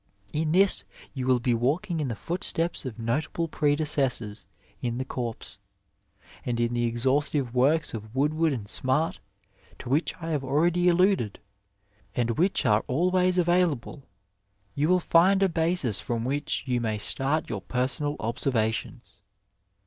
In this you will be walking in the footsteps of notable predecessors in the corps, and in the exhaustive works of Woodward and Smart, to which I have ahready alluded, and which are always available, you will find a basis from which you may start your personal observations.